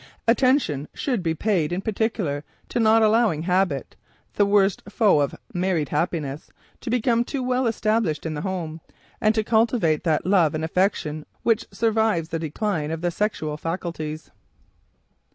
Attention should be paid in particular to not allowing habit, "the worst foe of married happiness," to become too well established in the home, and to cultivate that love and affection which survives the decline of the sexual faculties.